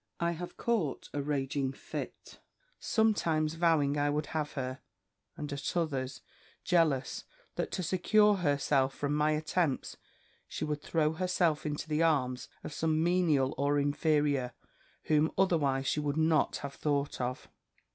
I have caught myself in a raging fit, sometimes vowing I would have her, and, at others, jealous that, to secure herself from my attempts, she would throw herself into the arms of some menial or inferior, whom otherwise she would not have thought of.